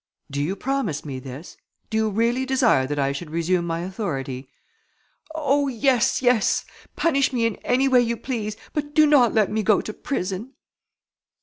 "Do you promise me this? Do you really desire that I should resume my authority?" "Oh! yes! yes! Punish me in any way you please, but do not let me go to prison."